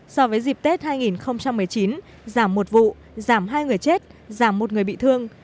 so với dịp tết hai nghìn một mươi chín giảm một vụ giảm hai người chết giảm một người bị thương